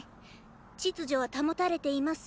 秩序は保たれています